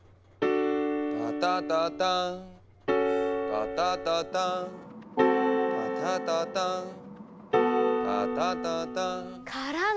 「タタタターン」「タタタターン」「タタタターン」「タタタターン」からの。